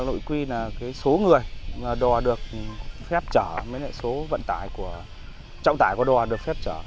cái quy là số người đỏ được phép trở mấy loại số vận tải của trọng tải của đỏ được phép trở